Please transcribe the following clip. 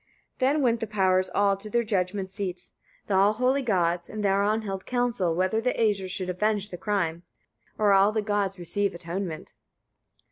27. Then went the powers all to their judgment seats, the all holy gods, and thereon held council, whether the Æsir should avenge the crime, or all the gods receive atonement.